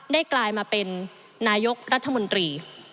กลายมาเป็นนายกรัฐมนตรี